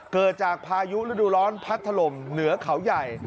เกิดจากพายุฤดูร้อนพัดถล่มเหนือเขาใหญ่